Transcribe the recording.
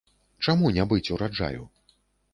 Чаму не быць ураджаю?